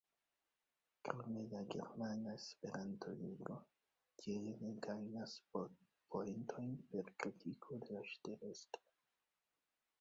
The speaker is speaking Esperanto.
Krome la Germana Esperanto-Ligo tiele ne gajnas poentojn per kritiko de la ŝtatestro.